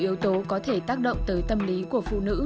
yếu tố có thể tác động tới tâm lý của phụ nữ